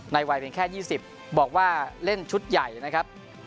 ในวัยเป็นแค่ยี่สิบบอกว่าเล่นชุดใหญ่นะครับ